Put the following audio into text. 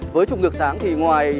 với chụp ngược sáng thì ngoài